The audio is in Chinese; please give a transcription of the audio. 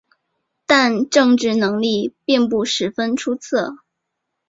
但政治能力并不十分出色。